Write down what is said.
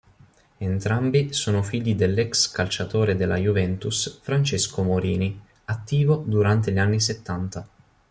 Entrambi sono figli dell'ex calciatore della Juventus Francesco Morini, attivo durante gli anni settanta.